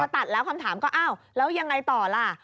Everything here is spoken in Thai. ตัดแล้วคำถามก็อ้าวแล้วยังไงต่อล่ะ